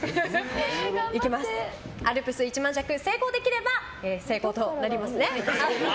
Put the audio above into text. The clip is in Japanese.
「アルプス一万尺」成功できれば成功となります。